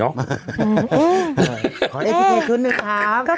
ขออีกชุดหนึ่งครับ